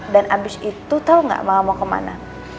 dan abis itu tau gak mama mau kemana